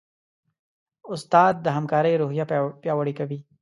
استاد د همکارۍ روحیه پیاوړې کوي.